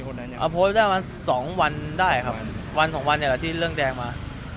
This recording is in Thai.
ก็เลยโพสต์ไปเล่นกันขำสองวันได้ครับนะครับพอสเลือกแดงมา